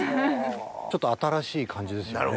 ちょっと新しい感じですよね。